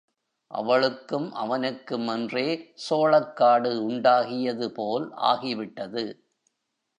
அவளுக்கும் அவனுக்கும் என்றே சோளக்காடு உண்டாகியது போல் ஆகிவிட்டது.